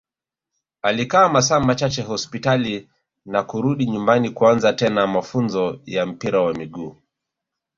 alikaa masaa machache hospitali na kurudi nyumbani kuanza tena mafunzo ya mpira wa miguu